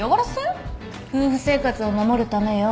夫婦生活を守るためよ。